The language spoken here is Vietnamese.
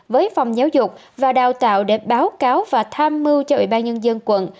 với phòng giáo dục và đào tạo để báo cáo và tham mưu cho ủy ban nhân dân quận